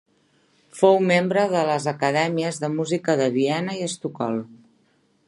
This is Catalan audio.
Fou membre de les Acadèmies de Música de Viena i Estocolm.